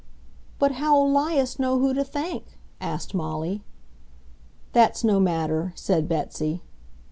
"But how'll 'Lias know who to thank?" asked Molly. "That's no matter," said Betsy.